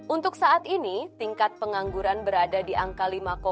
untuk saat ini tingkat pengangguran berada di angka lima tujuh